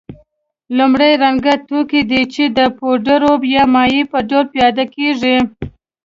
لومړی رنګه توکي دي چې د پوډرو یا مایع په ډول پیدا کیږي.